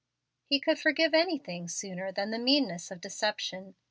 He could forgive anything sooner than the meanness of deception.